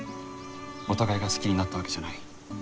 お互いが好きになったわけじゃない。